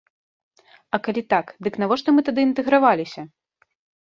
А калі так, дык навошта мы тады інтэграваліся?